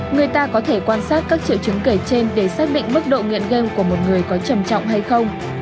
người ta có thể quan sát các triệu chứng kể trên để xác định mức độ nghiện game của một người có trầm trọng hay không